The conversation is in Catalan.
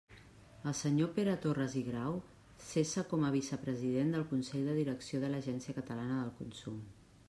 El senyor Pere Torres i Grau cessa com a vicepresident del Consell de Direcció de l'Agència Catalana del Consum.